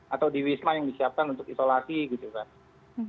atau di wisma yang disiapkan untuk isolasi gitu kan